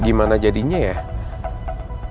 gimana jadinya ya kalau nanti putri ketemu sama mel